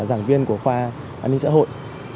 giảng viên của khoa an ninh xã hội